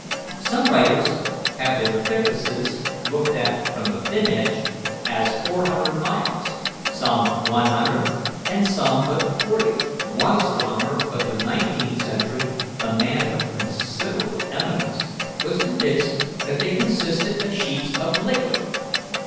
Some writers have their thickness, looked at from the thin edge, as four hundred miles, some one hundred, and some but forty. One astronomer of the nineteenth century, a man of considerable eminence, was convinced that they consisted of sheets of liquid.